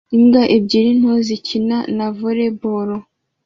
Imbwa ebyiri nto zikina na volley ball